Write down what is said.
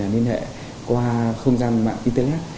nên hệ qua không gian mạng internet